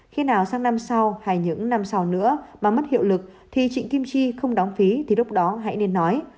khi nào sang năm sau hay những năm sau nữa bà mất hiệu lực thì trịnh kim chi không đóng phí thì lúc đó hãy nên nói